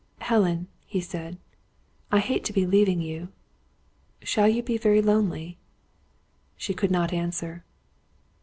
"Helen," he said, "I hate to be leaving you. Shall you be very lonely?" She could not answer.